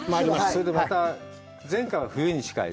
それでまた、前回は冬に近い。